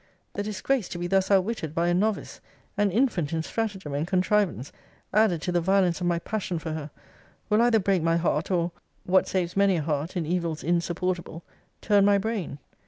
The disgrace to be thus outwitted by a novice, an infant in stratagem and contrivance, added to the violence of my passion for her, will either break my heart, or (what saves many a heart, in evils insupportable) turn my brain.